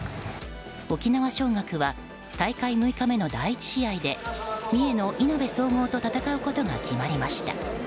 沖縄尚学は大会６日目の第１試合で三重のいなべ総合と戦うことが決まりました。